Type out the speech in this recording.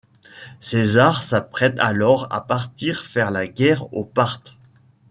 César s'apprête alors à partir faire la guerre aux Parthes.